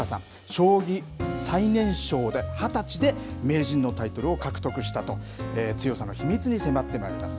将棋最年少で２０歳で名人のタイトルを獲得したと、強さの秘密に迫ってまいります。